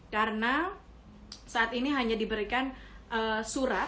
karena saat ini hanya diberikan surat